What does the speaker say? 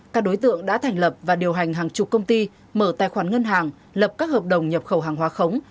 các đối tượng đã thành lập và điều hành hàng chục công ty mở tài khoản ngân hàng lập các hợp đồng nhập khẩu hàng hóa khống